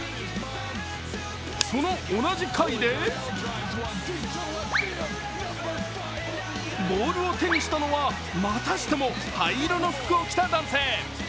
その同じ回でボールを手にしたのはまたしても灰色の服を着た男性。